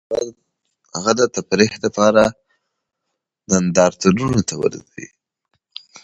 هغه د تفریح لپاره نندارتونونو ته ځي